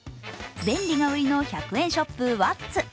便利が売りの１００円ショップ、ワッツ。